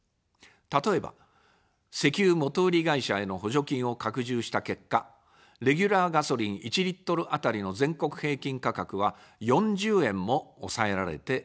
例えば、石油元売り会社への補助金を拡充した結果、レギュラーガソリン１リットル当たりの全国平均価格は４０円も抑えられています。